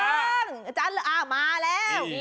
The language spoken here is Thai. อาจารย์เริ่งอ่ะมาแล้ว